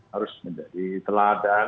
harus menjadi teladan